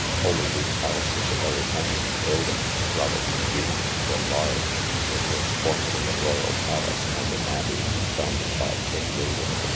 Holyrood house is a very handsome building, rather convenient than large; it was formerly a royal palace and an abbey, founded by King David I.